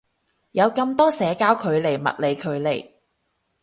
有咁多社交距離物理距離